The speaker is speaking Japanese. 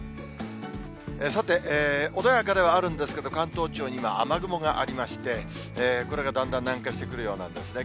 さて、穏やかではあるんですけど、関東地方に今、雨雲がありまして、これがだんだん南下してくるようなんですね。